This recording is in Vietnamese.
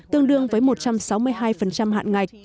tương đương với một trăm sáu mươi hai hạn ngạch